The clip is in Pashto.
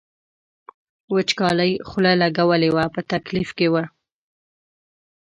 وچکالۍ خوله لګولې وه په تکلیف کې و.